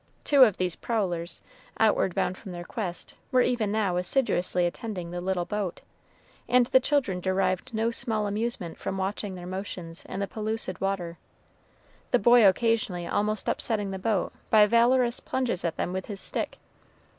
Two of these prowlers, outward bound from their quest, were even now assiduously attending the little boat, and the children derived no small amusement from watching their motions in the pellucid water, the boy occasionally almost upsetting the boat by valorous plunges at them with his stick.